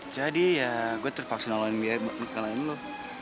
jadi ya gue terpaksa nolain biaya buat mengalahin lo